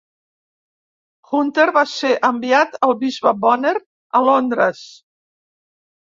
Hunter va ser enviat al bisbe Bonner a Londres.